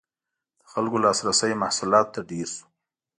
• د خلکو لاسرسی محصولاتو ته ډېر شو.